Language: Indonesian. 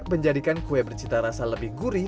menjadikan kue bercita rasa lebih gurih